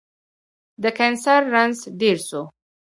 د کېنسر رنځ ډير سو